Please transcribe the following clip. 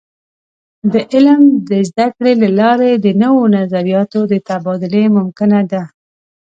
د علم د زده کړې له لارې د نوو نظریاتو د تبادلې ممکنه ده.